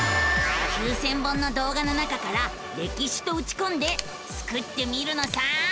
９，０００本の動画の中から「歴史」とうちこんでスクってみるのさ！